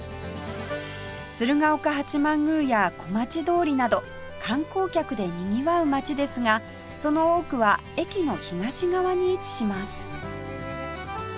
鶴岡八幡宮や小町通りなど観光客でにぎわう街ですがその多くは駅の東側に位置します